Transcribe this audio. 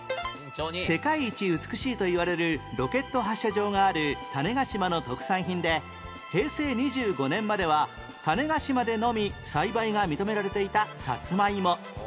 世界一美しいといわれるロケット発射場がある種子島の特産品で平成２５年までは種子島でのみ栽培が認められていたさつまいも